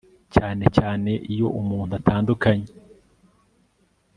cyane cyane iyo umuntu atandukanye